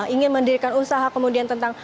ingin mendirikan usaha kemudian tentang